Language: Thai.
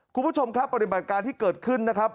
คุณผู้ชมครับปฏิบัติการที่เกิดขึ้นนะครับ